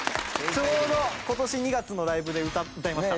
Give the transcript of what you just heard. ちょうど今年２月のライブで歌ってました。